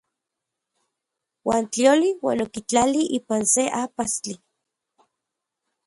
Uan tlioli uan okitlali ipan se ajpastli.